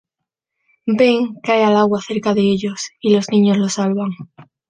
Ben cae al agua cerca de ellos, y los niños lo salvan.